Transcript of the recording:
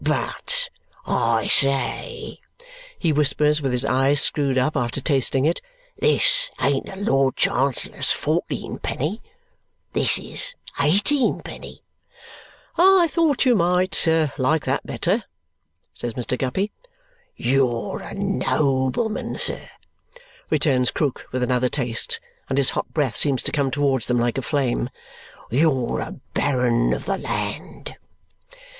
"But, I say," he whispers, with his eyes screwed up, after tasting it, "this ain't the Lord Chancellor's fourteenpenny. This is eighteenpenny!" "I thought you might like that better," says Mr. Guppy. "You're a nobleman, sir," returns Krook with another taste, and his hot breath seems to come towards them like a flame. "You're a baron of the land."